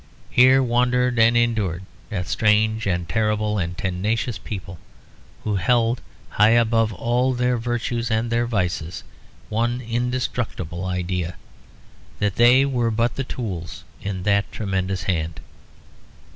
Here wandered and endured that strange and terrible and tenacious people who held high above all their virtues and their vices one indestructible idea; that they were but the tools in that tremendous hand.